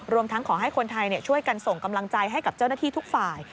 ทั้งขอให้คนไทยช่วยกันส่งกำลังใจให้กับเจ้าหน้าที่ทุกฝ่าย